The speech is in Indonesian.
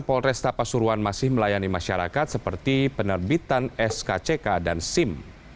polresta pasuruan masih melayani masyarakat seperti penerbitan skck dan sim